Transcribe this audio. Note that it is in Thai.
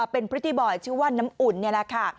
เป็นพริตตี้บอยชื่อว่าน้ำอุ่นนี่แหละค่ะ